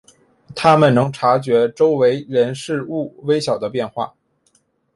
他们能察觉周围人事物微小的变化。